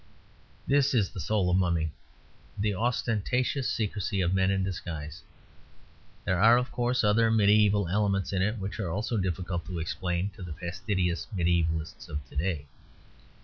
This is the soul of Mumming; the ostentatious secrecy of men in disguise. There are, of course, other mediæval elements in it which are also difficult to explain to the fastidious mediævalists of to day.